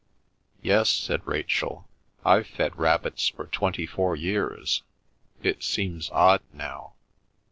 "Yes," said Rachel. "I've fed rabbits for twenty four years; it seems odd now."